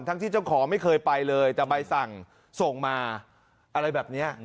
ที่เจ้าของไม่เคยไปเลยแต่ใบสั่งส่งมาอะไรแบบนี้